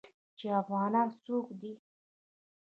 چې افغانان څوک دي.